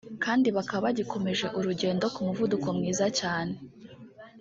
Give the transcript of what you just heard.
kandi bakaba bagikomeje urugendo ku muvuduko mwiza cyane